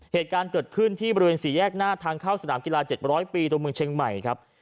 เหตุการณ์เกิดขึ้นที่บริเวณสี่แยกหน้าทางเข้าสนามกีฬา๗๐๐ปีตรงเมืองเชียงใหม่ครับ